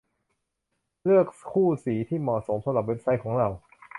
เลือกคู่สีที่เหมาะสมสำหรับเว็บไซต์ของเรา